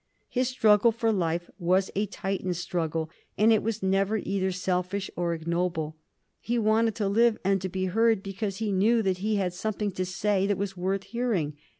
His struggle for life was a Titan's struggle, and it was never either selfish or ignoble. He wanted to live and be heard because he knew that he had something to say that was worth hearing.